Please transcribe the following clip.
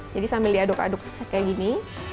jadi sambil diaduk aduk seperti ini